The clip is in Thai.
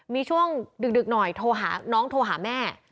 มีช่วงดึกหน่อยโทรหาน้องโทรหาแม่